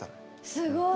すごい！